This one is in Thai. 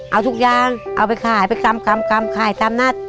เอาทุกอย่างเอาไปขายไปกำขายตามนัด